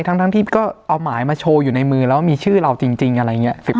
ทั้งที่ก็เอาหมายมาโชว์อยู่ในมือแล้วมีชื่อเราจริงอะไรอย่างนี้